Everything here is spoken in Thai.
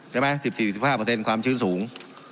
ใช่มั้ยถึงสี่หกห้าเปอร์เซ็นต์ความชื้นสูง